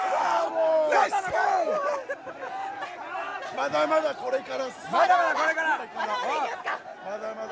まだまだ、これからっす。